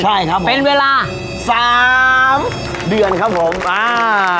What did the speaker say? ใช่ครับผมเป็นเวลาสามเดือนครับผมอ่า